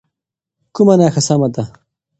کومه نښه سمه ده؟